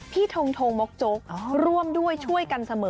ทงทงมกโจ๊กร่วมด้วยช่วยกันเสมอ